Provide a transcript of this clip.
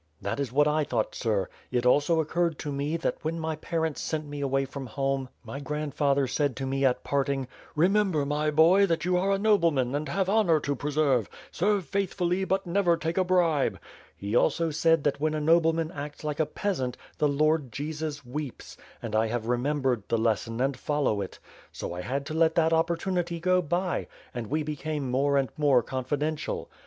"That is what I thought, sir. It also occurred to me, that when my parents sent me away from home, my grandfather said to me at parting, 'Eemember, my boy, that you are a nobleman and have honor to preserve. Serve faithfully, but never take a bribe.' He also said, that when a nobleman acts like a peasant, the Lord Jesus weeps; and I haVe remembered the lesson and follow it. So I had to let that opportunity go by, and we became more and more confidential.